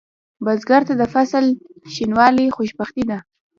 بزګر ته د فصل شینوالی خوشبختي ده